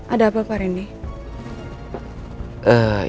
ada apa pak rendy